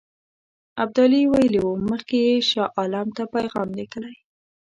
ابدالي ویلي وو مخکې یې شاه عالم ته پیغام لېږلی.